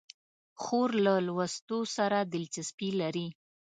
خور له لوستو سره دلچسپي لري.